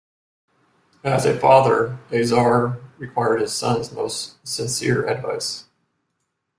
As a father, Azar required his son's most sincere advice.